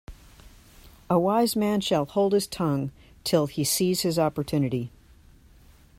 A wise man shall hold his tongue till he sees his opportunity.